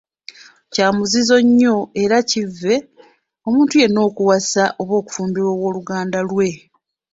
Kya muzizo nnyo era kya kivve, omuntu yenna okuwasa oba okufumbirwa ow’oluganda lwe!